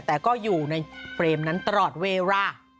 แต่ก็อยู่ในเฟรมนั้นตลอดเวลา